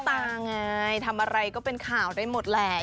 ตาไงทำอะไรก็เป็นข่าวได้หมดแหละ